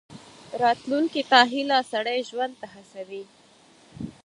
راتلونکي ته هیله، سړی ژوند ته هڅوي.